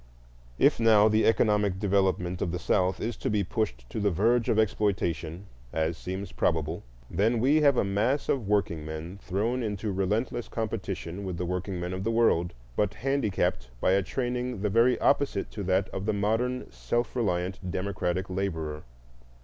If now the economic development of the South is to be pushed to the verge of exploitation, as seems probable, then we have a mass of workingmen thrown into relentless competition with the workingmen of the world, but handicapped by a training the very opposite to that of the modern self reliant democratic laborer.